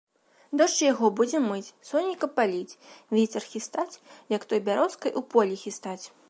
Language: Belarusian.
Дождж яго будзе мыць, сонейка паліць, вецер хістаць, як той бярозкай у полі хістаць.